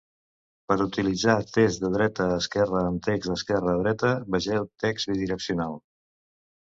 Per utilitzar text de dreta a esquerra amb text d'esquerra a dreta, vegeu text bidireccional.